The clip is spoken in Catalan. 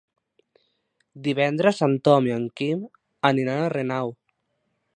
Divendres en Tom i en Quim aniran a Renau.